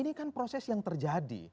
ini kan proses yang terjadi